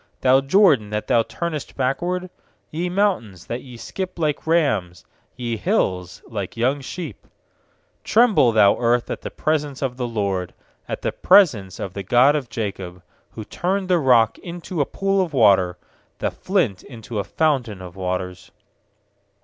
Thou Jordan, that thou turnest backward? 6Ye mountains, that ye skip like rams , Ye hills, like young sheep? 7Tremble, thou earth, at the pres ence of the Lord, At the presence of the God of Jacob ; 8Who turned the rock into a pool of water, The flint into a fountain of waters.